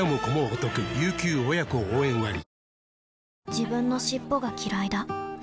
自分の尻尾がきらいだ